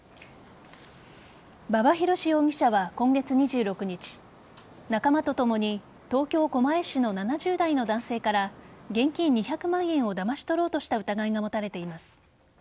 馬場博司容疑者は今月２６日仲間とともに東京・狛江市の７０代の男性から現金２００万円をだまし取ろうとした疑いが持たれています。